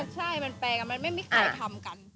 ใช่มันแปลงมันไม่มีใครทำกัน